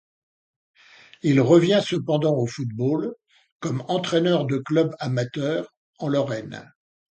Il revient cependant au football comme entraîneur de clubs amateurs en Lorraine.